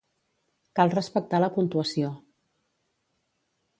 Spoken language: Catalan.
Cal respectar la puntuació.